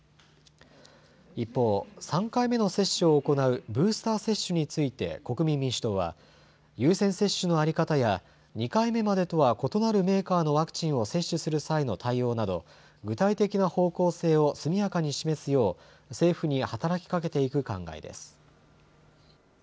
一方、３回目の接種を行うブースター接種について国民民主党は、優先接種の在り方や、２回目までとは異なるメーカーのワクチンを接種する際の対応など、具体的な方向性を速やかに示すよう、政府に働きかけていく考えです。